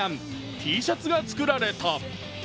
Ｔシャツが作られた。